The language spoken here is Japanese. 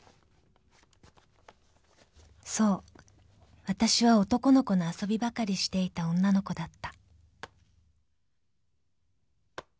［そうわたしは男の子の遊びばかりしていた女の子だった］